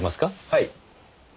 はい。